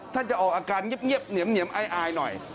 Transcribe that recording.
จะออกอาการเงียบเหนียมอายหน่อย